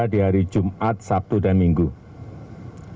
di hari jumat sabtu dan hari selanjutnya